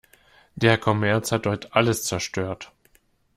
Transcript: Der Kommerz hat dort alles zerstört.